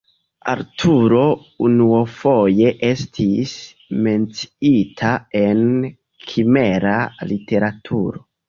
Arturo unuafoje estis menciita en kimra literaturo.